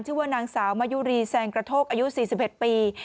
ชื่อว่านางสาวมะยุรีแซงกระโทกอายุ๔๑ปี